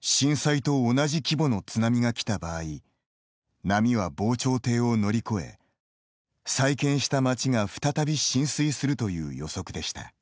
震災と同じ規模の津波が来た場合波は防潮堤を乗り越え再建した町が再び浸水するという予測でした。